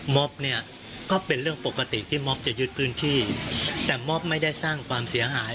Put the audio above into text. เนี่ยก็เป็นเรื่องปกติที่มอบจะยึดพื้นที่แต่ม็อบไม่ได้สร้างความเสียหาย